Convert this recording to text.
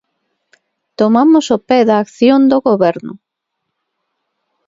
Tomamos o pé da acción do Goberno.